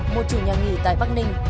một chủ nhà nghỉ tại bắc ninh